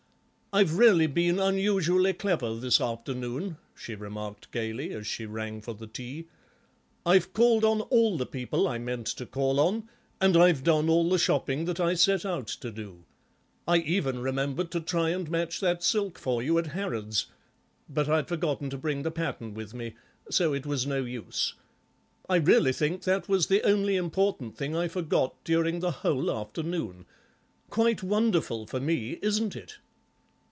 "I've really been unusually clever this afternoon," she remarked gaily, as she rang for the tea. "I've called on all the people I meant to call on; and I've done all the shopping that I set out to do. I even remembered to try and match that silk for you at Harrod's, but I'd forgotten to bring the pattern with me, so it was no use. I really think that was the only important thing I forgot during the whole afternoon. Quite wonderful for me, isn't it?"